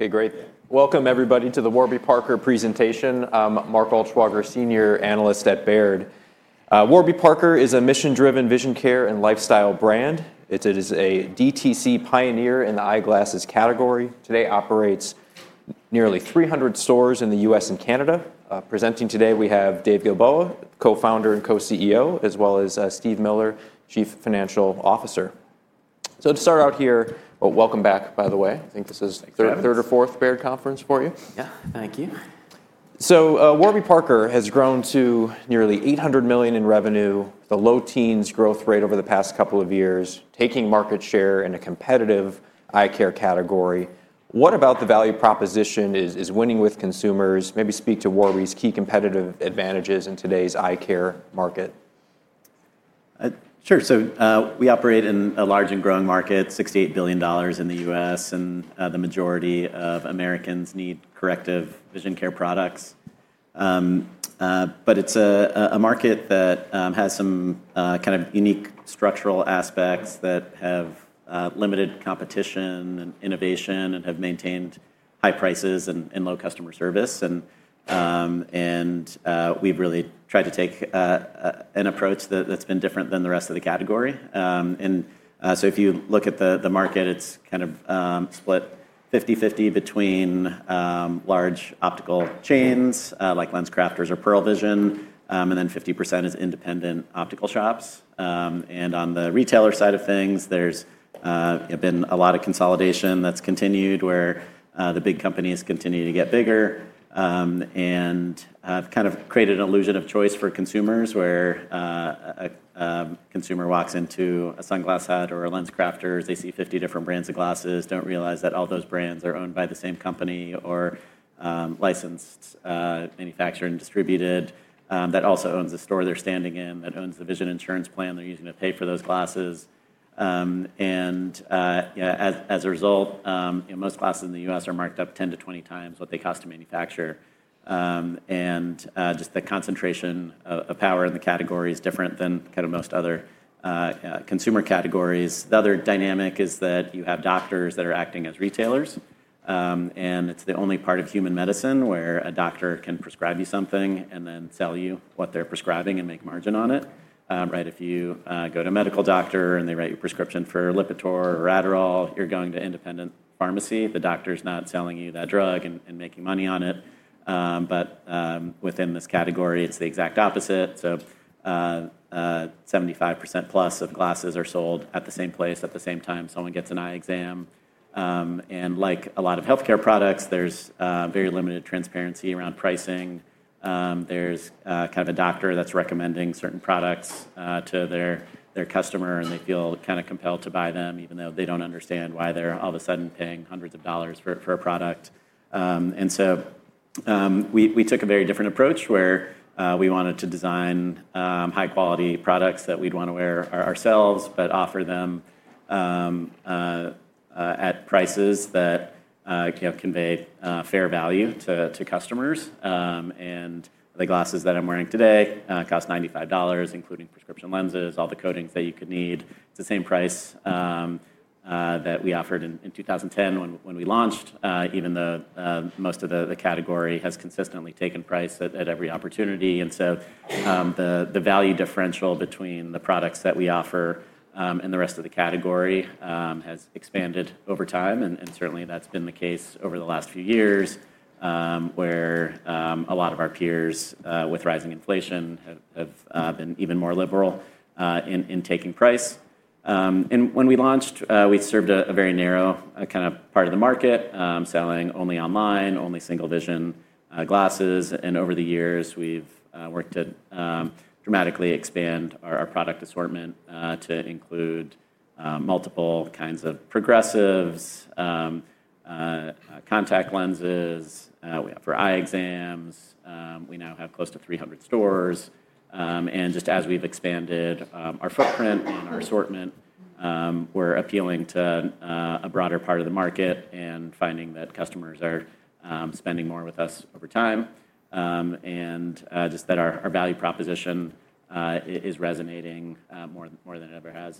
Hey, great. Welcome, everybody, to the Warby Parker presentation. I'm Mark Altschwager, Senior Analyst at Baird. Warby Parker is a mission-driven vision care and lifestyle brand. It is a DTC pioneer in the eyeglasses category. Today, it operates nearly 300 stores in the U.S. and Canada. Presenting today, we have Dave Gilboa, Co-founder and Co-CEO, as well as Steve Miller, Chief Financial Officer. To start out here, welcome back, by the way. I think this is third or fourth Baird Conference for you. Yeah, thank you. Warby Parker has grown to nearly $800 million in revenue, the low teens growth rate over the past couple of years, taking market share in a competitive eye care category. What about the value proposition is winning with consumers? Maybe speak to Warby's key competitive advantages in today's eye care market. Sure. We operate in a large and growing market, $68 billion in the U.S., and the majority of Americans need corrective vision care products. It is a market that has some kind of unique structural aspects that have limited competition and innovation and have maintained high prices and low customer service. We have really tried to take an approach that has been different than the rest of the category. If you look at the market, it is kind of split 50/50 between large optical chains like LensCrafters or Pearle Vision, and then 50% is independent optical shops. On the retailer side of things, there's been a lot of consolidation that's continued where the big companies continue to get bigger and have kind of created an illusion of choice for consumers where a consumer walks into a Sunglass Hut or a LensCrafters, they see 50 different brands of glasses, don't realize that all those brands are owned by the same company or licensed, manufactured, and distributed that also owns the store they're standing in, that owns the vision insurance plan they're using to pay for those glasses. As a result, most glasses in the U.S. are marked up 10-20 times what they cost to manufacture. The concentration of power in the category is different than kind of most other consumer categories. The other dynamic is that you have doctors that are acting as retailers, and it's the only part of human medicine where a doctor can prescribe you something and then sell you what they're prescribing and make margin on it. Right? If you go to a medical doctor and they write you a prescription for Lipitor or Adderall, you're going to independent pharmacy. The doctor's not selling you that drug and making money on it. Within this category, it's the exact opposite. 75%+ of glasses are sold at the same place at the same time. Someone gets an eye exam. Like a lot of healthcare products, there's very limited transparency around pricing. There's kind of a doctor that's recommending certain products to their customer, and they feel kind of compelled to buy them even though they don't understand why they're all of a sudden paying hundreds of dollars for a product. We took a very different approach where we wanted to design high-quality products that we'd want to wear ourselves but offer them at prices that can convey fair value to customers. The glasses that I'm wearing today cost $95, including prescription lenses, all the coatings that you could need. It's the same price that we offered in 2010 when we launched, even though most of the category has consistently taken price at every opportunity. The value differential between the products that we offer and the rest of the category has expanded over time. Certainly, that's been the case over the last few years where a lot of our peers, with rising inflation, have been even more liberal in taking price. When we launched, we served a very narrow kind of part of the market, selling only online, only single-vision glasses. Over the years, we've worked to dramatically expand our product assortment to include multiple kinds of progressives, contact lenses. We offer eye exams. We now have close to 300 stores. Just as we've expanded our footprint and our assortment, we're appealing to a broader part of the market and finding that customers are spending more with us over time. Our value proposition is resonating more than it ever has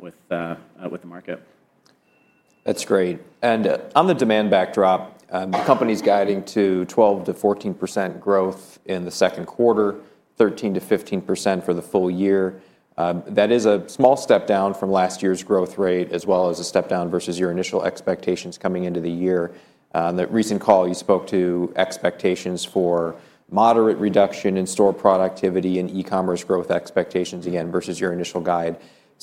with the market. That's great. On the demand backdrop, the company's guiding to 12%-14% growth in the second quarter, 13%-15% for the full year. That is a small step down from last year's growth rate, as well as a step down versus your initial expectations coming into the year. In that recent call, you spoke to expectations for moderate reduction in store productivity and e-commerce growth expectations, again, versus your initial guide.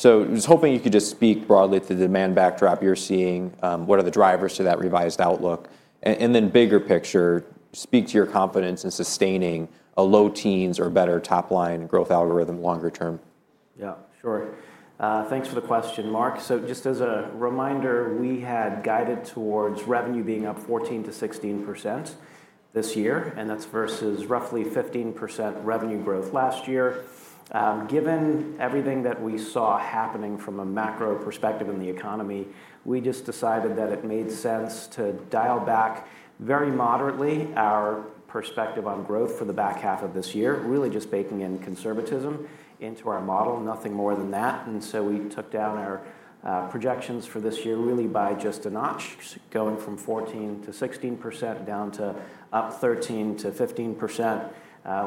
I was hoping you could just speak broadly to the demand backdrop you're seeing. What are the drivers to that revised outlook? Bigger picture, speak to your confidence in sustaining a low teens or better top-line growth algorithm longer term. Yeah, sure. Thanks for the question, Mark. Just as a reminder, we had guided towards revenue being up 14%-16% this year, and that's versus roughly 15% revenue growth last year. Given everything that we saw happening from a macro perspective in the economy, we just decided that it made sense to dial back very moderately our perspective on growth for the back half of this year, really just baking in conservatism into our model, nothing more than that. We took down our projections for this year really by just a notch, going from 14%-16% down to up 13%-15%.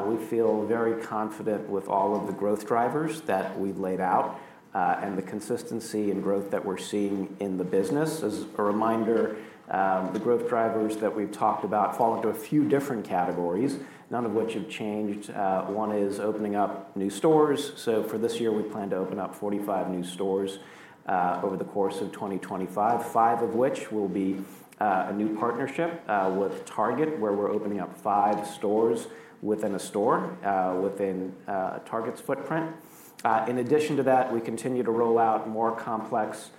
We feel very confident with all of the growth drivers that we've laid out and the consistency in growth that we're seeing in the business. As a reminder, the growth drivers that we've talked about fall into a few different categories, none of which have changed. One is opening up new stores. For this year, we plan to open up 45 new stores over the course of 2025, five of which will be a new partnership with Target, where we're opening up five stores within a store within Target's footprint. In addition to that, we continue to roll out more complex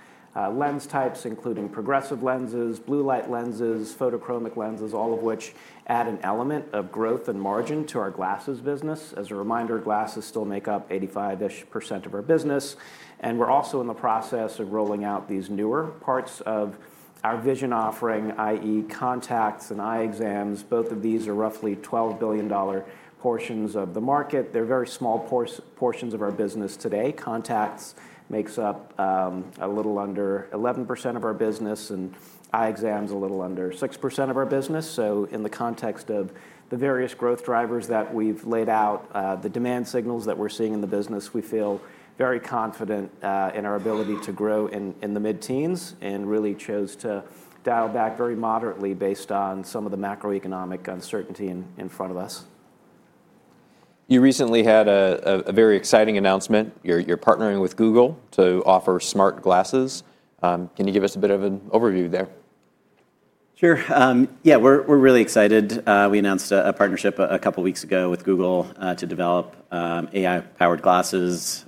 lens types, including progressive lenses, blue light lenses, photochromic lenses, all of which add an element of growth and margin to our glasses business. As a reminder, glasses still make up 85% of our business. We're also in the process of rolling out these newer parts of our vision offering, i.e., contacts and eye exams. Both of these are roughly $12 billion portions of the market. They're very small portions of our business today. Contacts makes up a little under 11% of our business, and eye exams a little under 6% of our business. In the context of the various growth drivers that we've laid out, the demand signals that we're seeing in the business, we feel very confident in our ability to grow in the mid-teens and really chose to dial back very moderately based on some of the macroeconomic uncertainty in front of us. You recently had a very exciting announcement. You're partnering with Google to offer smart glasses. Can you give us a bit of an overview there? Sure. Yeah, we're really excited. We announced a partnership a couple of weeks ago with Google to develop AI-powered glasses.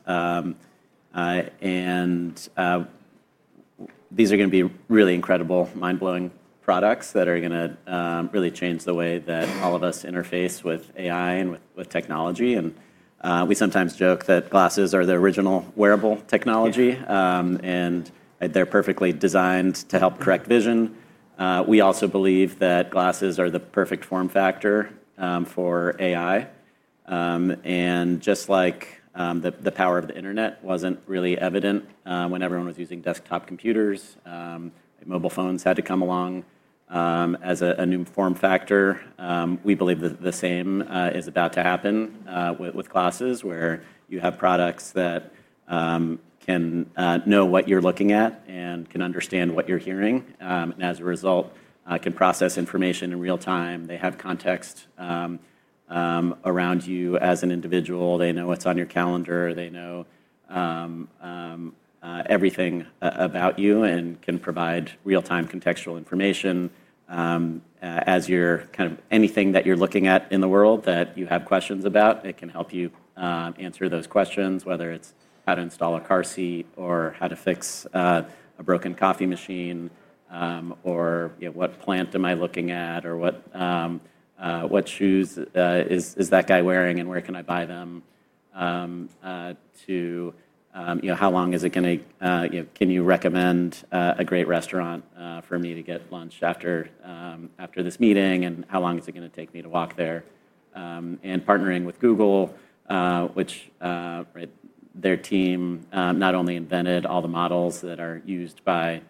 These are going to be really incredible, mind-blowing products that are going to really change the way that all of us interface with AI and with technology. We sometimes joke that glasses are the original wearable technology, and they're perfectly designed to help correct vision. We also believe that glasses are the perfect form factor for AI. Just like the power of the internet was not really evident when everyone was using desktop computers, mobile phones had to come along as a new form factor. We believe that the same is about to happen with glasses, where you have products that can know what you're looking at and can understand what you're hearing. As a result, can process information in real time. They have context around you as an individual. They know what's on your calendar. They know everything about you and can provide real-time contextual information. As you're kind of anything that you're looking at in the world that you have questions about, it can help you answer those questions, whether it's how to install a car seat or how to fix a broken coffee machine or what plant am I looking at or what shoes is that guy wearing and where can I buy them to can you recommend a great restaurant for me to get lunch after this meeting and how long is it going to take me to walk there? Partnering with Google, which their team not only invented all the models that are used by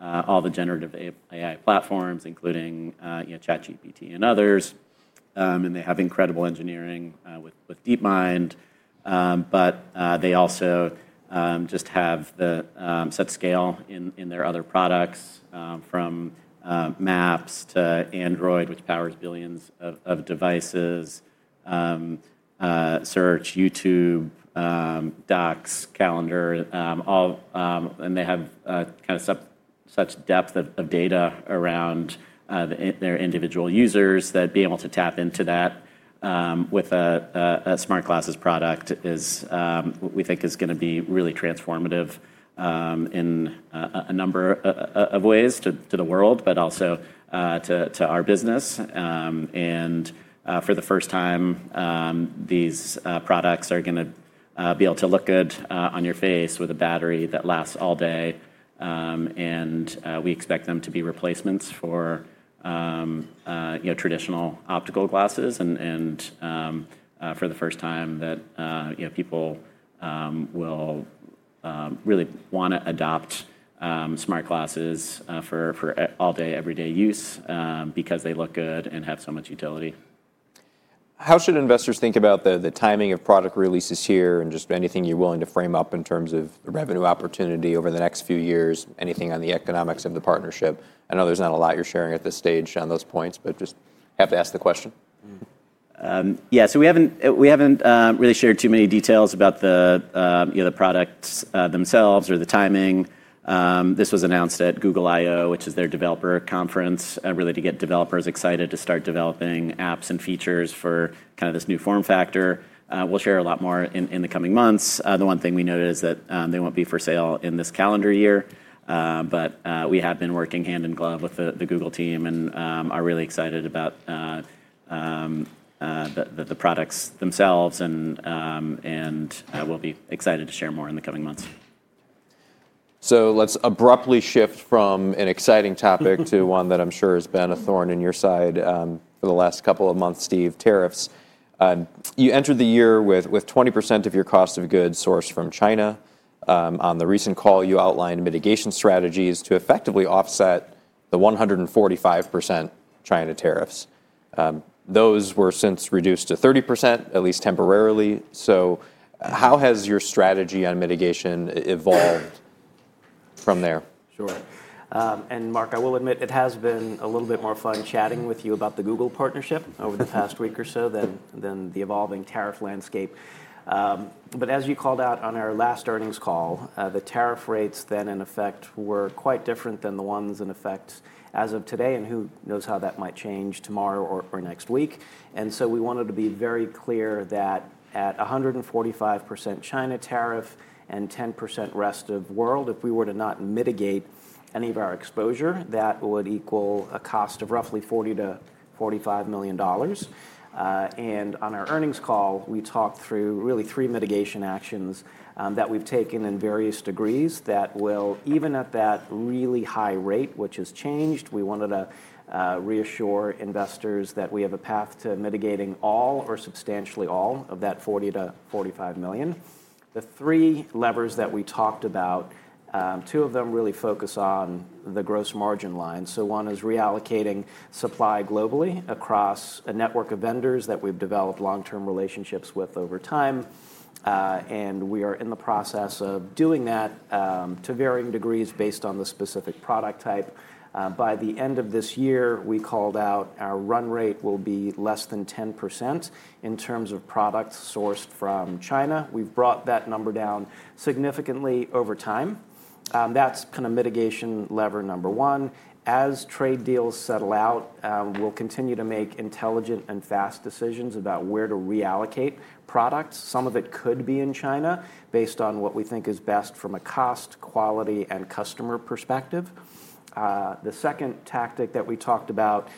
all the generative AI platforms, including ChatGPT and others, and they have incredible engineering with DeepMind, but they also just have such scale in their other products from Maps to Android, which powers billions of devices, Search, YouTube, Docs, Calendar. They have kind of such depth of data around their individual users that being able to tap into that with a smart glasses product is what we think is going to be really transformative in a number of ways to the world, but also to our business. For the first time, these products are going to be able to look good on your face with a battery that lasts all day. We expect them to be replacements for traditional optical glasses. For the first time, that people will really want to adopt smart glasses for all-day, everyday use because they look good and have so much utility. How should investors think about the timing of product releases here and just anything you're willing to frame up in terms of revenue opportunity over the next few years, anything on the economics of the partnership? I know there's not a lot you're sharing at this stage on those points, but just have to ask the question. Yeah, so we haven't really shared too many details about the products themselves or the timing. This was announced at Google I/O, which is their developer conference, really to get developers excited to start developing apps and features for kind of this new form factor. We'll share a lot more in the coming months. The one thing we noted is that they won't be for sale in this calendar year, but we have been working hand in glove with the Google team and are really excited about the products themselves. We'll be excited to share more in the coming months. Let's abruptly shift from an exciting topic to one that I'm sure has been a thorn in your side for the last couple of months, Steve, tariffs. You entered the year with 20% of your cost of goods sourced from China. On the recent call, you outlined mitigation strategies to effectively offset the 145% China tariffs. Those were since reduced to 30%, at least temporarily. How has your strategy on mitigation evolved from there? Sure. Mark, I will admit it has been a little bit more fun chatting with you about the Google partnership over the past week or so than the evolving tariff landscape. As you called out on our last earnings call, the tariff rates then in effect were quite different than the ones in effect as of today, and who knows how that might change tomorrow or next week. We wanted to be very clear that at 145% China tariff and 10% rest of world, if we were to not mitigate any of our exposure, that would equal a cost of roughly $40 million-$45 million. On our earnings call, we talked through really three mitigation actions that we have taken in various degrees that will, even at that really high rate, which has changed, we wanted to reassure investors that we have a path to mitigating all or substantially all of that $40 million-$45 million. The three levers that we talked about, two of them really focus on the gross margin line. One is reallocating supply globally across a network of vendors that we have developed long-term relationships with over time. We are in the process of doing that to varying degrees based on the specific product type. By the end of this year, we called out our run rate will be less than 10% in terms of products sourced from China. We have brought that number down significantly over time. That is kind of mitigation lever number one. As trade deals settle out, we'll continue to make intelligent and fast decisions about where to reallocate products. Some of it could be in China based on what we think is best from a cost, quality, and customer perspective. The second tactic that we talked about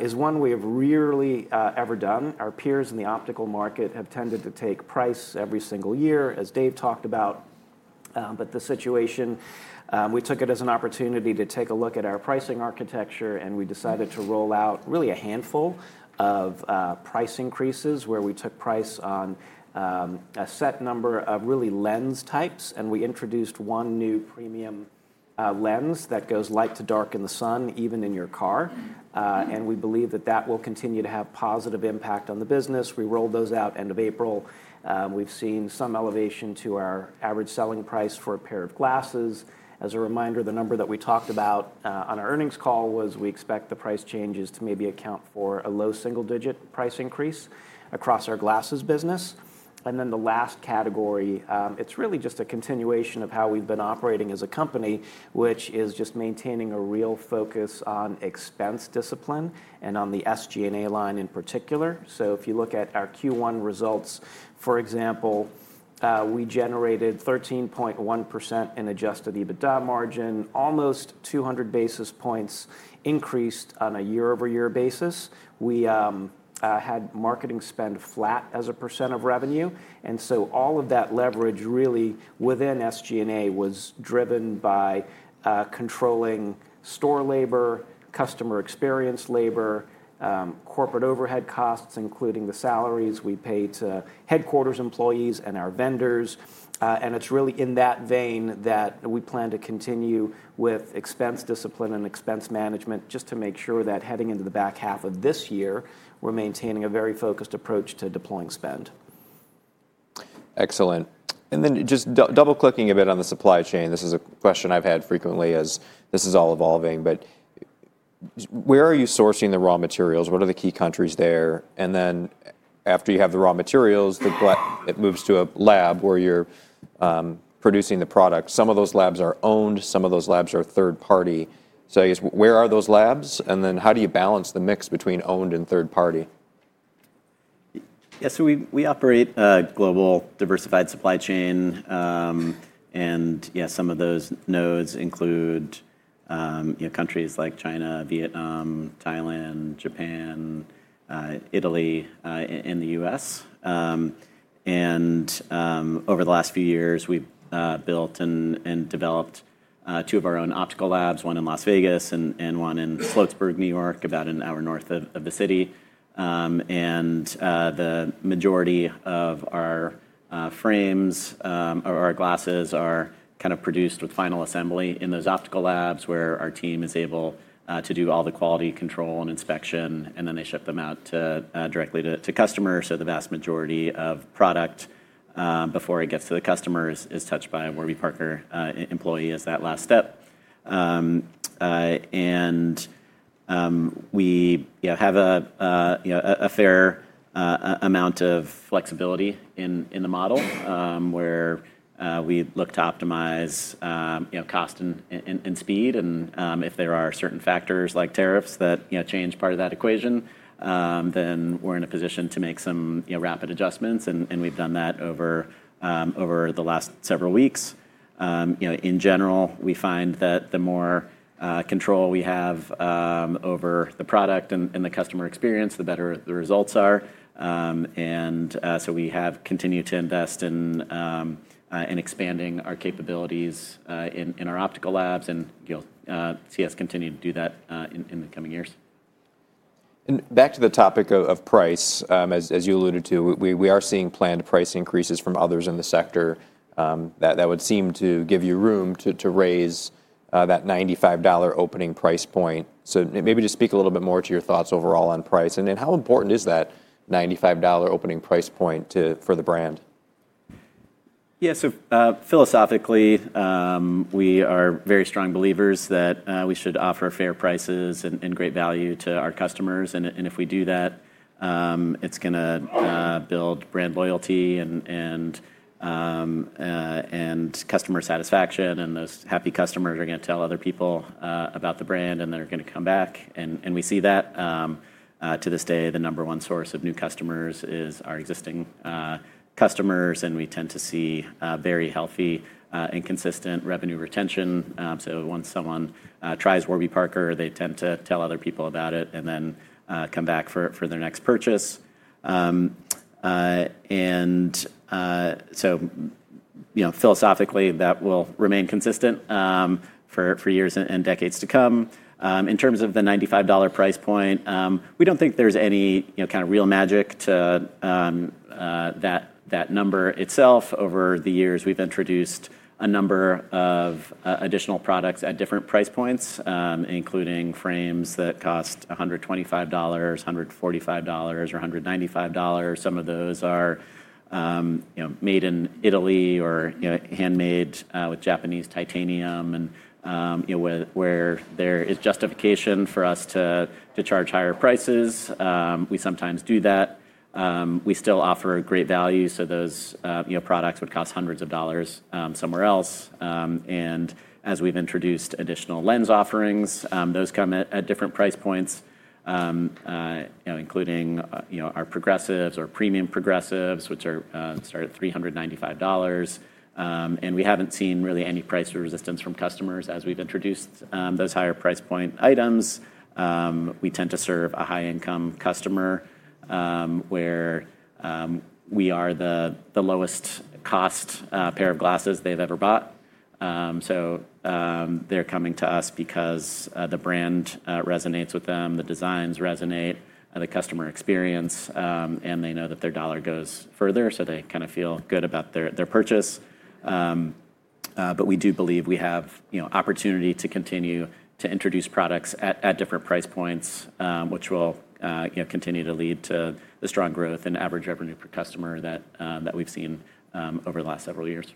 is one we have rarely ever done. Our peers in the optical market have tended to take price every single year, as Dave talked about. The situation, we took it as an opportunity to take a look at our pricing architecture, and we decided to roll out really a handful of price increases where we took price on a set number of really lens types. We introduced one new premium lens that goes light to dark in the sun, even in your car. We believe that that will continue to have positive impact on the business. We rolled those out end of April. We've seen some elevation to our average selling price for a pair of glasses. As a reminder, the number that we talked about on our earnings call was we expect the price changes to maybe account for a low single-digit price increase across our glasses business. The last category, it's really just a continuation of how we've been operating as a company, which is just maintaining a real focus on expense discipline and on the SG&A line in particular. If you look at our Q1 results, for example, we generated 13.1% in adjusted EBITDA margin, almost 200 basis points increased on a year-over-year basis. We had marketing spend flat as a percent of revenue. All of that leverage really within SG&A was driven by controlling store labor, customer experience labor, corporate overhead costs, including the salaries we pay to headquarters employees and our vendors. It is really in that vein that we plan to continue with expense discipline and expense management just to make sure that heading into the back half of this year, we're maintaining a very focused approach to deploying spend. Excellent. Just double-clicking a bit on the supply chain, this is a question I have had frequently as this is all evolving, but where are you sourcing the raw materials? What are the key countries there? After you have the raw materials, it moves to a lab where you are producing the product. Some of those labs are owned. Some of those labs are third-party. I guess where are those labs? How do you balance the mix between owned and third-party? Yeah, so we operate a global diversified supply chain. Yeah, some of those nodes include countries like China, Vietnam, Thailand, Japan, Italy, and the U.S. Over the last few years, we've built and developed two of our own optical labs, one in Las Vegas and one in Sloatsburg, New York, about an hour north of the city. The majority of our frames or our glasses are kind of produced with final assembly in those optical labs where our team is able to do all the quality control and inspection, and then they ship them out directly to customers. The vast majority of product before it gets to the customers is touched by a Warby Parker employee as that last step. We have a fair amount of flexibility in the model where we look to optimize cost and speed. If there are certain factors like tariffs that change part of that equation, then we're in a position to make some rapid adjustments. We've done that over the last several weeks. In general, we find that the more control we have over the product and the customer experience, the better the results are. We have continued to invest in expanding our capabilities in our optical labs and see us continue to do that in the coming years. Back to the topic of price, as you alluded to, we are seeing planned price increases from others in the sector that would seem to give you room to raise that $95 opening price point. Maybe just speak a little bit more to your thoughts overall on price. How important is that $95 opening price point for the brand? Yeah, so philosophically, we are very strong believers that we should offer fair prices and great value to our customers. If we do that, it's going to build brand loyalty and customer satisfaction. Those happy customers are going to tell other people about the brand, and they're going to come back. We see that to this day, the number one source of new customers is our existing customers. We tend to see very healthy and consistent revenue retention. Once someone tries Warby Parker, they tend to tell other people about it and then come back for their next purchase. Philosophically, that will remain consistent for years and decades to come. In terms of the $95 price point, we don't think there's any kind of real magic to that number itself. Over the years, we've introduced a number of additional products at different price points, including frames that cost $125, $145, or $195. Some of those are made in Italy or handmade with Japanese titanium, where there is justification for us to charge higher prices. We sometimes do that. We still offer great value. Those products would cost hundreds of dollars somewhere else. As we've introduced additional lens offerings, those come at different price points, including our progressives or premium progressives, which start at $395. We haven't seen really any price resistance from customers as we've introduced those higher price point items. We tend to serve a high-income customer where we are the lowest-cost pair of glasses they've ever bought. They're coming to us because the brand resonates with them, the designs resonate, the customer experience, and they know that their dollar goes further. They kind of feel good about their purchase. We do believe we have opportunity to continue to introduce products at different price points, which will continue to lead to the strong growth and average revenue per customer that we've seen over the last several years.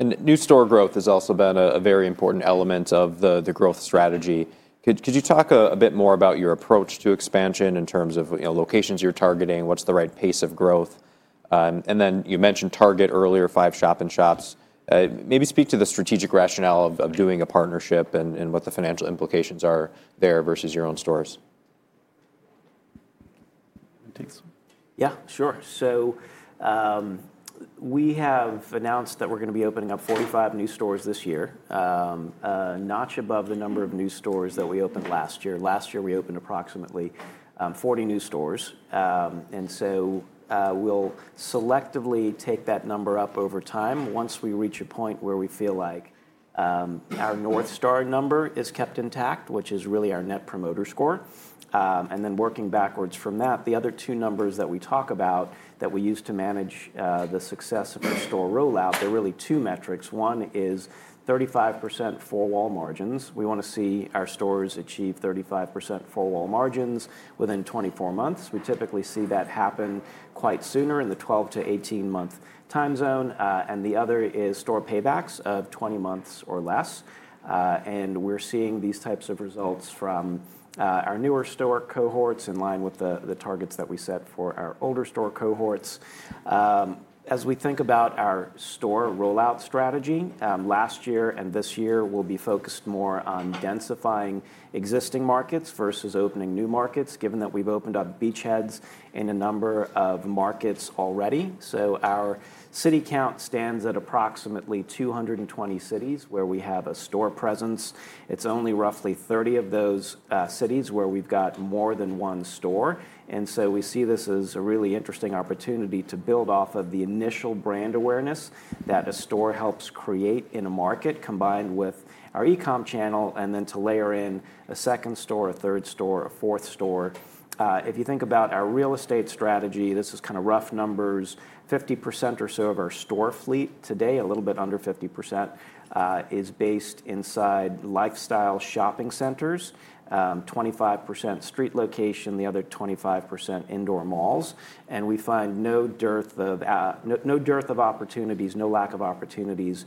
New store growth has also been a very important element of the growth strategy. Could you talk a bit more about your approach to expansion in terms of locations you're targeting? What's the right pace of growth? You mentioned Target earlier, five shop-in-shops. Maybe speak to the strategic rationale of doing a partnership and what the financial implications are there versus your own stores. Yeah, sure. We have announced that we're going to be opening up 45 new stores this year, a notch above the number of new stores that we opened last year. Last year, we opened approximately 40 new stores. We will selectively take that number up over time once we reach a point where we feel like our North Star number is kept intact, which is really our net promoter score. Working backwards from that, the other two numbers that we talk about that we use to manage the success of our store rollout, they're really two metrics. One is 35% four-wall margins. We want to see our stores achieve 35% four-wall margins within 24 months. We typically see that happen quite sooner in the 12-18 month time zone. The other is store paybacks of 20 months or less. We're seeing these types of results from our newer store cohorts in line with the targets that we set for our older store cohorts. As we think about our store rollout strategy, last year and this year, we'll be focused more on densifying existing markets versus opening new markets, given that we've opened up beachheads in a number of markets already. Our city count stands at approximately 220 cities where we have a store presence. It's only roughly 30 of those cities where we've got more than one store. We see this as a really interesting opportunity to build off of the initial brand awareness that a store helps create in a market combined with our e-com channel and then to layer in a second store, a third store, a fourth store. If you think about our real estate strategy, this is kind of rough numbers. 50% or so of our store fleet today, a little bit under 50%, is based inside lifestyle shopping centers, 25% street location, the other 25% indoor malls. We find no dearth of opportunities, no lack of opportunities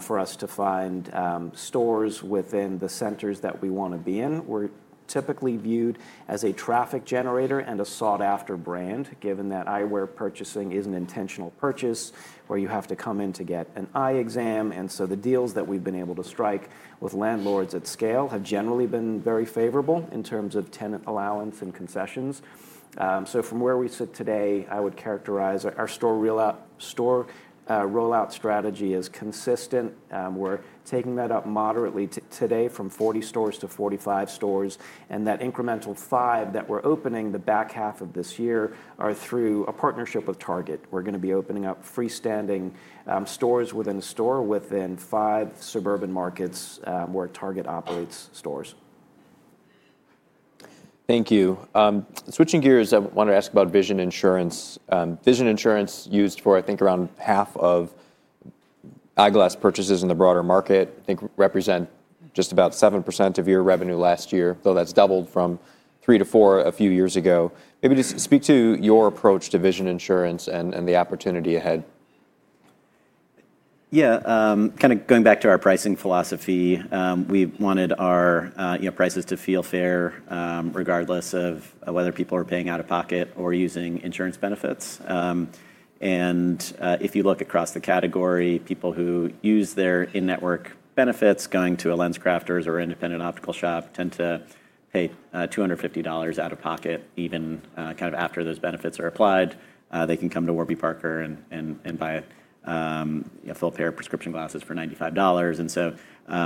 for us to find stores within the centers that we want to be in. We're typically viewed as a traffic generator and a sought-after brand, given that eyewear purchasing is an intentional purchase where you have to come in to get an eye exam. The deals that we've been able to strike with landlords at scale have generally been very favorable in terms of tenant allowance and concessions. From where we sit today, I would characterize our store rollout strategy as consistent. We're taking that up moderately today from 40 stores to 45 stores. That incremental five that we're opening the back half of this year are through a partnership with Target. We're going to be opening up freestanding stores within a store within five suburban markets where Target operates stores. Thank you. Switching gears, I want to ask about vision insurance. Vision insurance used for, I think, around half of eyeglass purchases in the broader market, I think represent just about 7% of your revenue last year, though that's doubled from three to four a few years ago. Maybe just speak to your approach to vision insurance and the opportunity ahead. Yeah, kind of going back to our pricing philosophy, we wanted our prices to feel fair regardless of whether people are paying out of pocket or using insurance benefits. If you look across the category, people who use their in-network benefits going to a LensCrafters or independent optical shop tend to pay $250 out of pocket. Even kind of after those benefits are applied, they can come to Warby Parker and buy a full pair of prescription glasses for $95.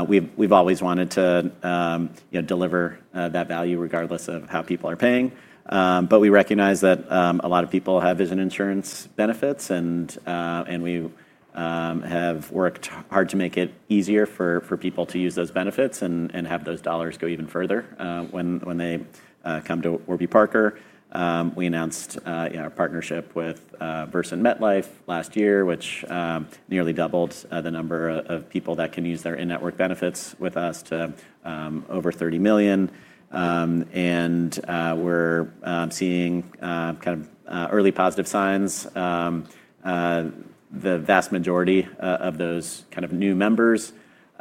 We have always wanted to deliver that value regardless of how people are paying. We recognize that a lot of people have vision insurance benefits, and we have worked hard to make it easier for people to use those benefits and have those dollars go even further when they come to Warby Parker. We announced our partnership with VSP and MetLife last year, which nearly doubled the number of people that can use their in-network benefits with us to over 30 million. We are seeing kind of early positive signs. The vast majority of those kind of new members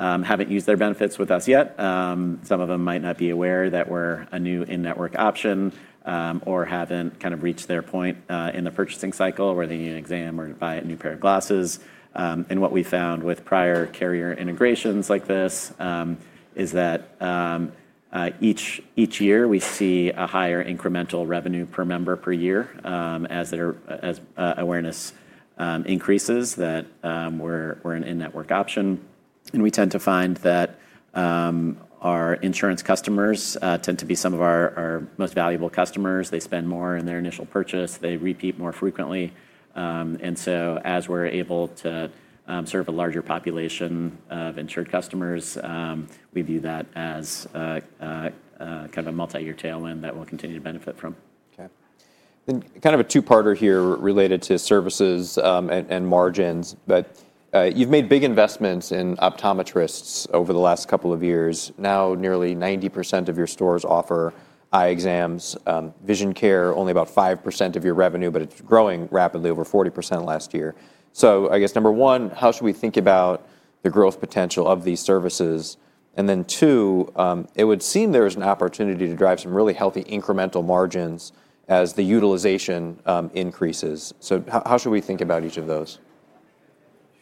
have not used their benefits with us yet. Some of them might not be aware that we are a new in-network option or have not kind of reached their point in the purchasing cycle where they need an exam or to buy a new pair of glasses. What we found with prior carrier integrations like this is that each year we see a higher incremental revenue per member per year as awareness increases that we are an in-network option. We tend to find that our insurance customers tend to be some of our most valuable customers. They spend more in their initial purchase. They repeat more frequently. As we're able to serve a larger population of insured customers, we view that as kind of a multi-year tailwind that we'll continue to benefit from. Okay. Kind of a two-parter here related to services and margins, but you've made big investments in optometrists over the last couple of years. Now nearly 90% of your stores offer eye exams. Vision care, only about 5% of your revenue, but it's growing rapidly, over 40% last year. I guess number one, how should we think about the growth potential of these services? Then two, it would seem there is an opportunity to drive some really healthy incremental margins as the utilization increases. How should we think about each of those?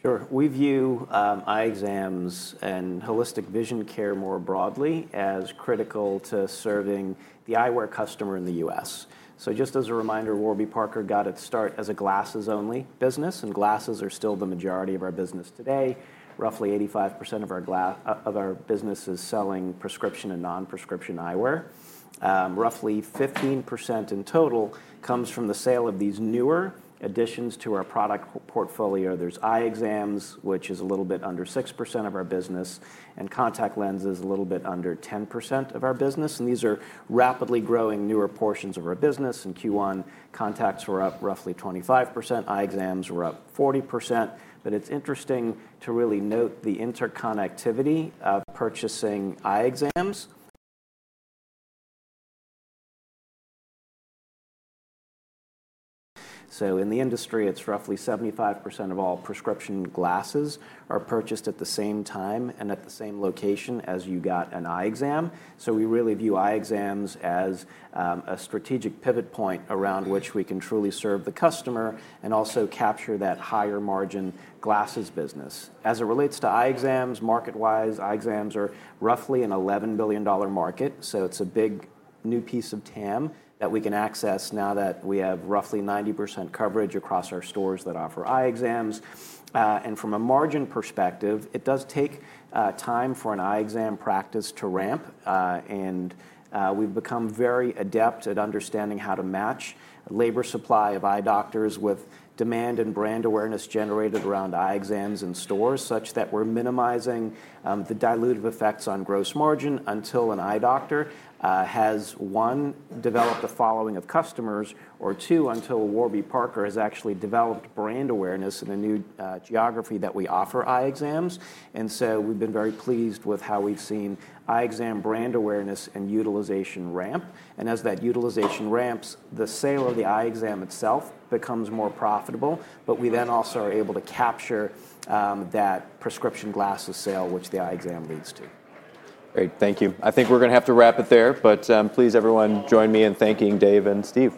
Sure. We view eye exams and holistic vision care more broadly as critical to serving the eyewear customer in the U.S. Just as a reminder, Warby Parker got its start as a glasses-only business, and glasses are still the majority of our business today. Roughly 85% of our business is selling prescription and non-prescription eyewear. Roughly 15% in total comes from the sale of these newer additions to our product portfolio. There is eye exams, which is a little bit under 6% of our business, and contact lenses a little bit under 10% of our business. These are rapidly growing newer portions of our business. In Q1, contacts were up roughly 25%. Eye exams were up 40%. It is interesting to really note the interconnectivity of purchasing eye exams. In the industry, it's roughly 75% of all prescription glasses are purchased at the same time and at the same location as you got an eye exam. We really view eye exams as a strategic pivot point around which we can truly serve the customer and also capture that higher margin glasses business. As it relates to eye exams, market-wise, eye exams are roughly an $11 billion market. It's a big new piece of TAM that we can access now that we have roughly 90% coverage across our stores that offer eye exams. From a margin perspective, it does take time for an eye exam practice to ramp. We have become very adept at understanding how to match labor supply of eye doctors with demand and brand awareness generated around eye exams and stores such that we are minimizing the dilutive effects on gross margin until an eye doctor has, one, developed a following of customers, or, two, until Warby Parker has actually developed brand awareness in a new geography that we offer eye exams. We have been very pleased with how we have seen eye exam brand awareness and utilization ramp. As that utilization ramps, the sale of the eye exam itself becomes more profitable, but we then also are able to capture that prescription glasses sale, which the eye exam leads to. Great. Thank you. I think we're going to have to wrap it there, but please everyone join me in thanking Dave and Steve.